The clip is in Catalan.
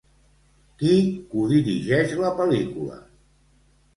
Qui codirigeix la pel·lícula?